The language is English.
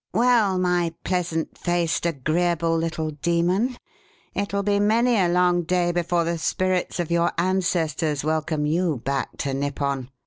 "Well, my pleasant faced, agreeable little demon, it'll be many a long day before the spirits of your ancestors welcome you back to Nippon!"